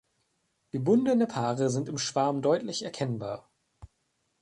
Gebundene Paare sind im Schwarm deutlich erkennbar.